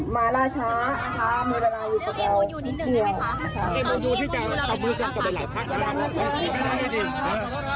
วันนี้ก็เกิดข้อผิดภาพหลายอย่างนะคะ